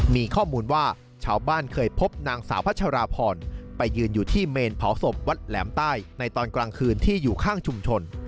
มีข้อมูลว่าชาวบ้านเคยพบนางสาวพัชราพรไปยืนอยู่ที่เมนเผาศพวัดแหลมใต้ในตอนกลางคืนที่อยู่ข้างชุมชน